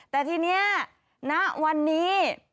แต่ทีนี้ณวันนี้